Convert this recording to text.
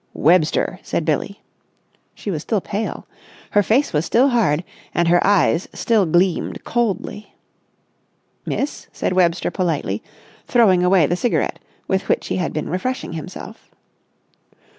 "Webster," said Billie. She was still pale. Her face was still hard, and her eyes still gleamed coldly. "Miss?" said Webster politely, throwing away the cigarette with which he had been refreshing himself.